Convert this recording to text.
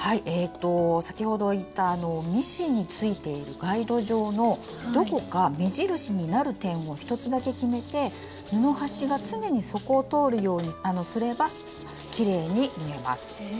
先ほど言ったミシンについているガイド上のどこか目印になる点を１つだけ決めて布端が常にそこを通るようにすればきれいに縫えます。